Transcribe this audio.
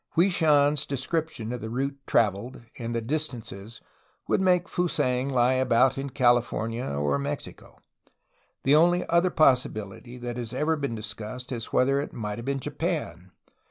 Hwui Shan's description of the route traveled and the distances would make Fusang lie about in California or Mexico. The only other possibility that has ever been dis cussed is whether it might have been Japan.